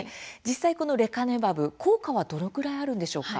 このレカネマブ、効果はどのくらいあるんでしょうか。